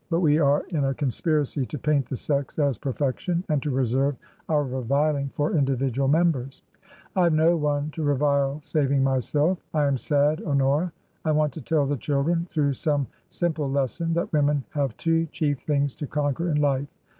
But we are in a conspiracy to paint the Sex as perfection, and to reserve our reviling for individual members." " I have no one to revile saving myself. I am sad, Honora. I want to tell the children, through some sim ple lesson, that women have two chief things to conquer in life.